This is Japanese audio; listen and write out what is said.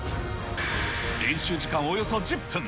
練習時間およそ１０分。